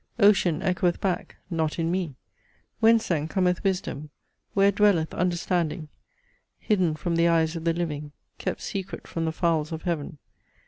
Ocean echoeth back; not in me! Whence then cometh wisdom? Where dwelleth understanding? Hidden from the eyes of the living Kept secret from the fowls of heaven!